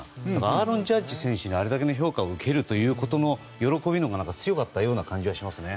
アーロン・ジャッジ選手があれだけの評価を受けるということの喜びのほうが強かったような感じはしますね。